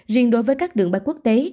riêng đối với các đường bay quốc tế